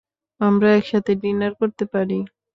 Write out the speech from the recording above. আমরা একসাথে ডিনার করতে পারি।